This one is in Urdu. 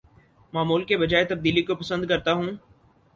معمول کے بجاے تبدیلی کو پسند کرتا ہوں